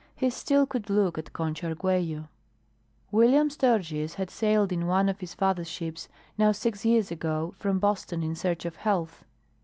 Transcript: He still could look at Concha Arguello. William Sturgis had sailed in one of his father's ships, now six years ago, from Boston in search of health.